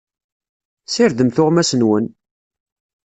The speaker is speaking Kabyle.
Sirdem tuɣmas-nwen!